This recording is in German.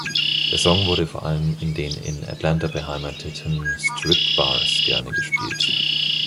Der Song wurde vor allem in den in Atlanta beheimateten Strip-Bars gerne gespielt.